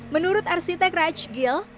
menurut arsitek raj gill